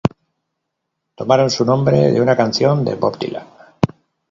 Tomaron su nombre de una canción de Bob Dylan.